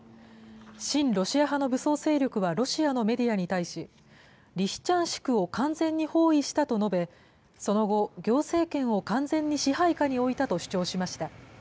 親ロシア派の武装勢力はロシアのメディアに対し、リシチャンシクを完全に包囲したと述べ、その後、行政権を完全に支配下に置いたと主張しました。